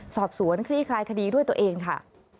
คลี่คลายคดีด้วยตัวเองค่ะ